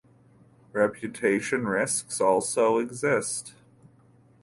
Reputation risks also exist.